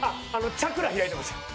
チャクラ開いてます。